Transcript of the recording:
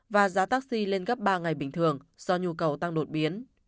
và giá taxi lên gấp ba ngày bình thường do nhu cầu tăng đột biến